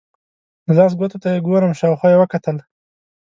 د لاس ګوتو ته یې ګورم، شاوخوا یې وکتل.